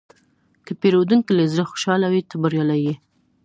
که پیرودونکی له زړه خوشحاله وي، ته بریالی یې.